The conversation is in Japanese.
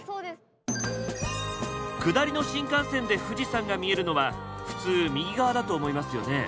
下りの新幹線で富士山が見えるのは普通右側だと思いますよね。